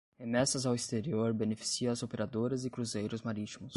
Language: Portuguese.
Remessas ao exterior beneficia as operadoras e cruzeiros marítimos